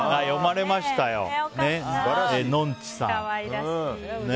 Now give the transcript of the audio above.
読まれましたよ！